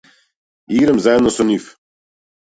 Играм заедно со нив.